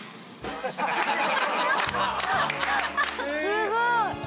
すごい。